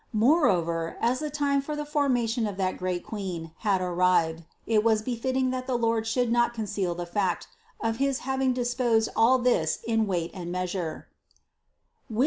Moreover, as the time for the formation of that great Queen had arrived, it was befitting that the Lord should not conceal the fact of his having disposed all this in weight and measure (Sap.